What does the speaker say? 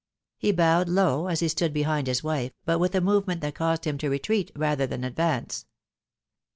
He bowed low, as he stood behind his wife, but with a movement that caused him to retreat, rather than advance.